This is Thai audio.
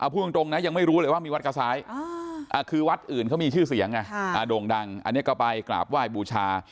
พูดตรงนะยังไม่รู้เลยว่ามีวัดกระซ้ายคือวัดอื่นเขามีชื่อเสียงไงโด่งดังอันนี้ก็ไปกราบไหว้บูชา